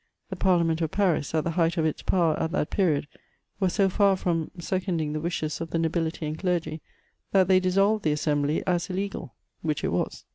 The Par liament of Paris, at the height of its power at that period, was so far from seconding the wishes of the nobility and clergy, that they dissolved the assembly as illegal ; which it was.